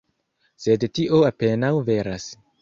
Sed tio apenaŭ veras.